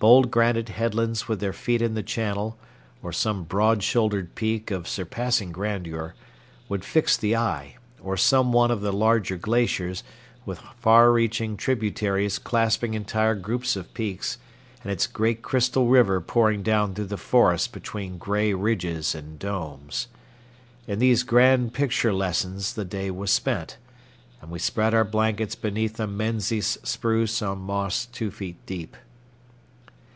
Bold granite headlands with their feet in the channel, or some broad shouldered peak of surpassing grandeur, would fix the eye, or some one of the larger glaciers, with far reaching tributaries clasping entire groups of peaks and its great crystal river pouring down through the forest between gray ridges and domes. In these grand picture lessons the day was spent, and we spread our blankets beneath a Menzies spruce on moss two feet deep.